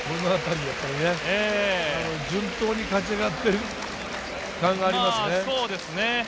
順当に勝ち上がっている感がありますね。